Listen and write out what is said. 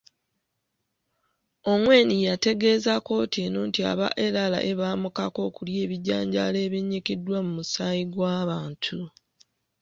Ongwen yategeeza kkooti eno nti aba LRA baamukaka okulya ebijanjaalo ebinyikiddwa mu musaayi gw'abantu.